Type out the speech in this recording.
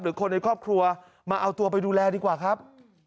คนในครอบครัวมาเอาตัวไปดูแลดีกว่าครับ